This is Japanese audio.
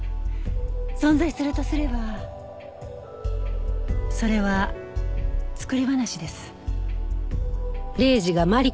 存在するとすればそれは作り話です。